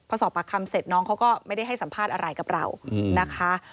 พอสอบปากคำเสร็จน้องเขาก็ไม่ได้ให้สัมภาษณ์อะไรกับเรานะคะ